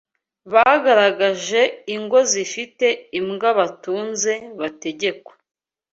bagaragaje ingo zifite imbwa batunze bategekwa